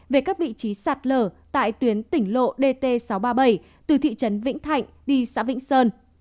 về các vị trí sạt lở tại tuyến tỉnh lộ dt sáu trăm ba mươi bảy từ thị trấn vĩnh thạnh đi xã vĩnh sơn